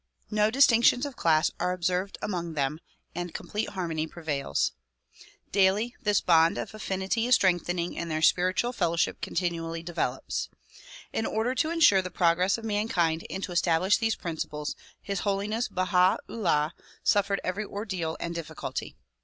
No distinctions of class are observed among them and complete harmony prevails. Daily this bond of affinity is strengthening and their spirtual fellowship continually develops. In order to insure the progress of mankind and to establish these principles His Holiness Baha 'Ullah suffered every ordeal and difficulty.